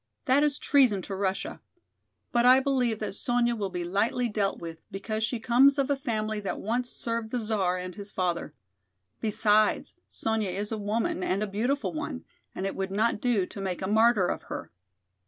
That is treason to Russia. But I believe that Sonya will be lightly dealt with because she comes of a family that once served the Czar and his father. Besides, Sonya is a woman and a beautiful one and it would not do to make a martyr of her."